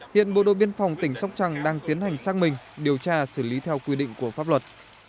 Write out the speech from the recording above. hiện bộ đội biên phòng tỉnh sóc trăng đang tiến hành xác minh điều tra xử lý theo quy định của pháp luật